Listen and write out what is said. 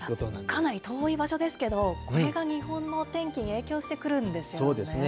かなり遠い場所ですけれども、これが日本のお天気に影響してくそうですね。